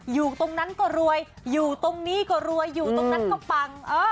อยู่ตรงนั้นก็รวยอยู่ตรงนี้ก็รวยอยู่ตรงนั้นก็ปัง